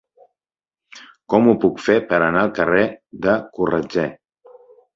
Com ho puc fer per anar al carrer de Corretger?